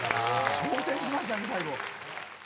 昇天しましたね最後。